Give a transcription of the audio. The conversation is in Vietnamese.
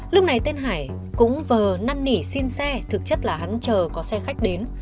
lúc này tên hải cũng vờ năn nỉ xin xe thực chất là hắn chờ có xe khách đến